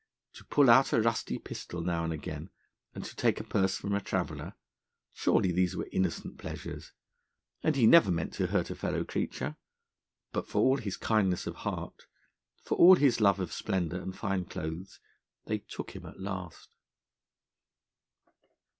To pull out a rusty pistol now and again, and to take a purse from a traveller surely these were innocent pleasures, and he never meant to hurt a fellow creature. But for all his kindness of heart, for all his love of splendour and fine clothes, they took him at last.